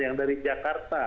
yang dari jakarta